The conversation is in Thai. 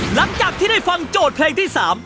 หลังจากที่ได้ฟังโจทย์เพลงที่๓